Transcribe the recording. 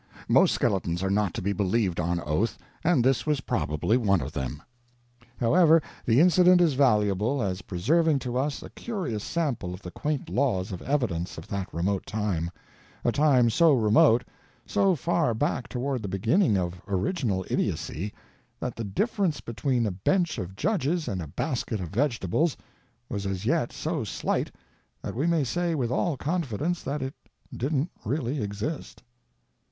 Most skeletons are not to be believed on oath, and this was probably one of them. However, the incident is valuable as preserving to us a curious sample of the quaint laws of evidence of that remote time a time so remote, so far back toward the beginning of original idiocy, that the difference between a bench of judges and a basket of vegetables was as yet so slight that we may say with all confidence that it didn't really exist.